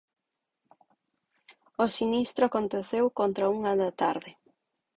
O sinistro aconteceu contra a unha da tarde.